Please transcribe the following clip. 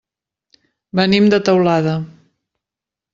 Venim de Teulada.